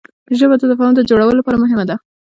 ژبه د تفاهم د جوړولو لپاره مهمه ده